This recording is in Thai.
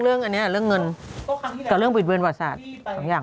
เรื่องเงินแต่เรื่องบิดเวินประวัติศาสตร์๒อย่าง